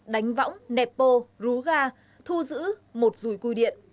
đánh võng nẹp bô rú ga thu giữ một rùi cui điện